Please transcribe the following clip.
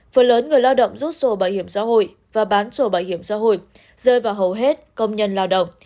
phần lớn người lao động rút sổ bảo hiểm xã hội và bán sổ bảo hiểm xã hội rơi vào hầu hết công nhân lao động